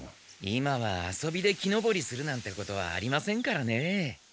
今は遊びで木登りするなんてことはありませんからね。